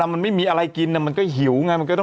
มันไม่มีอะไรกินมันก็หิวไง